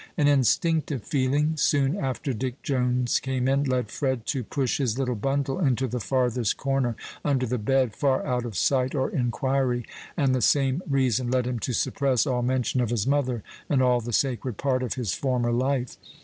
An instinctive feeling, soon after Dick Jones came in, led Fred to push his little bundle into the farthest corner, under the bed, far out of sight or inquiry; and the same reason led him to suppress all mention of his mother, and all the sacred part of his former life.